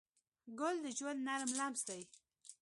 ګل د ژوند نرم لمس دی.